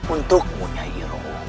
untukmu nyai iroh